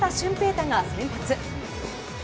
大が先発。